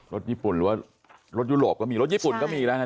ญี่ปุ่นหรือว่ารถยุโรปก็มีรถญี่ปุ่นก็มีแล้วนะ